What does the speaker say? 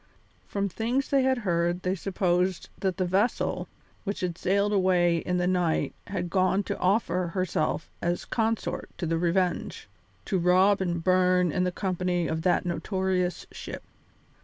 From things they had heard they supposed that the vessel which had sailed away in the night had gone to offer herself as consort to the Revenge; to rob and burn in the company of that notorious ship.